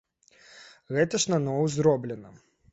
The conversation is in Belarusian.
Гэта ж наноў зроблена.